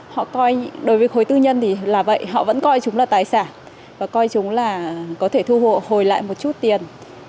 họ coi đối với khối tư nhân thì là vậy họ vẫn coi chúng là tài sản và coi chúng là có thể thu hồi lại một chút tiền